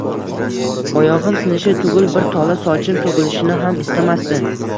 Oyog`im sinishi tugul, bir tola sochim to`kilishini ham istamasdi